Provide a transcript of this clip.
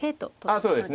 そうですね